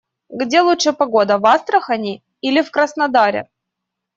Где лучше погода - в Астрахани или в Краснодаре?